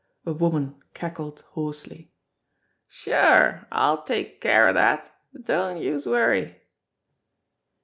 A woman cackled hoarsely. "Sure ! I'll take care of dat ! Don't youse worry